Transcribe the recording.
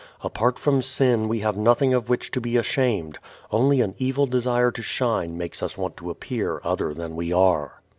Apart from sin we have nothing of which to be ashamed. Only an evil desire to shine makes us want to appear other than we are.